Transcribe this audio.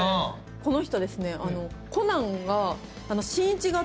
この人ですね。